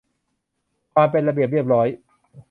ความเป็นระเบียบเรียบร้อย